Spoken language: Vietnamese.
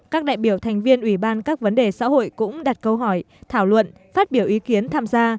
các đại biểu thành viên ủy ban các vấn đề xã hội cũng đặt câu hỏi thảo luận phát biểu ý kiến tham gia